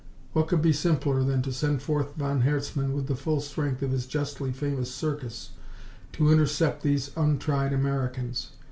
What could be simpler than to send forth von Herzmann with the full strength of his justly famous Circus to intercept these untried Americans?